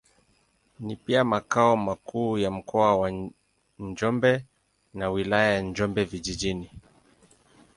Ni pia makao makuu ya Mkoa wa Njombe na Wilaya ya Njombe Vijijini.